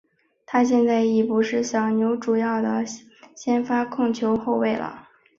他现在已经是小牛主要的先发控球后卫了。